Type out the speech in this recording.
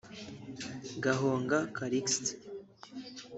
Gahonga Callixte